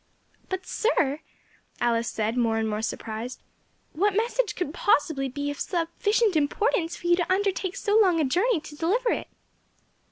"But, sir," Alice said, more and more surprised, "what message could possibly be of sufficient importance for you to undertake so long a journey to deliver it?"